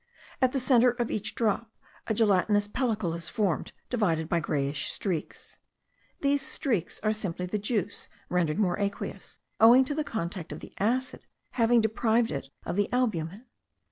At the centre of each drop a gelatinous pellicle is formed, divided by greyish streaks. These streaks are simply the juice rendered more aqueous, owing to the contact of the acid having deprived it of the albumen.